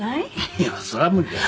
いやそれは無理だよ。